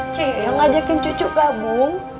cik yang ngajakin cucu gabung